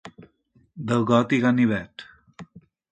De got i ganivet.